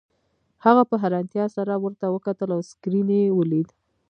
هغه په حیرانتیا سره ورته وکتل او سکرین یې ولید